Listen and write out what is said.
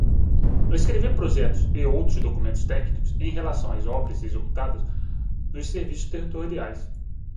Escrever projetos e outros documentos técnicos em relação às obras executadas nos serviços territoriais.